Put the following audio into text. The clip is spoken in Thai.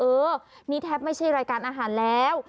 เออนี่แทบไม่ใช่รายการอาหารแล้ว